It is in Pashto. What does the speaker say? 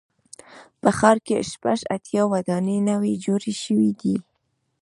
په ښار کې شپږ اتیا ودانۍ نوي جوړې شوې دي.